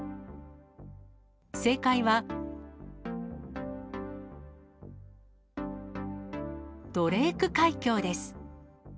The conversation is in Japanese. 正解は、ドレーク海峡です。